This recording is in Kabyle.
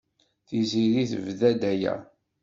Tiziri tebda-d aya.